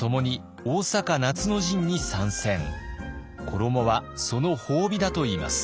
衣はその褒美だといいます。